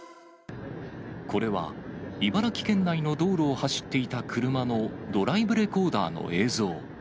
これは、茨城県内の道路を走っていた車のドライブレコーダーの映像。